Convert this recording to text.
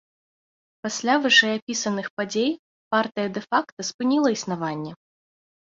Пасля вышэйапісаных падзей, партыя дэ-факта спыніла існаванне.